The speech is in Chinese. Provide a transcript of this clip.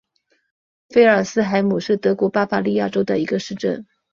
菲尔斯海姆是德国巴伐利亚州的一个市镇。